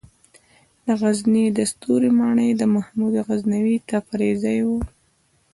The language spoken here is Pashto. د غزني د ستوري ماڼۍ د محمود غزنوي د تفریح ځای و